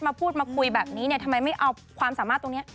มาพูดมาคุยแบบนี้เนี่ยทำไมไม่เอาความสามารถตรงนี้